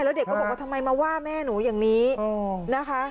แล้วเด็กก็บอกว่าทำไมมาว่าแม่หนูอย่างนี้นะคะ